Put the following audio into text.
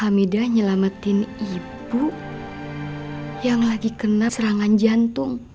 hamidah nyelamatin ibu yang lagi kena serangan jantung